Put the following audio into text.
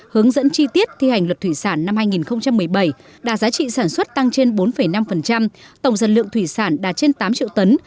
hướng dẫn chi tiết thi hành luật thủy sản năm hai nghìn một mươi bảy đạt giá trị sản xuất tăng trên bốn năm tổng dân lượng thủy sản đạt trên tám triệu tấn